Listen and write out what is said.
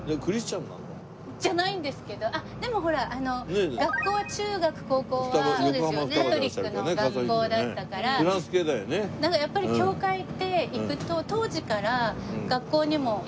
じゃないんですけどあっでもほら学校は中学高校はカトリックの学校だったからなんかやっぱり教会って行くと当時から。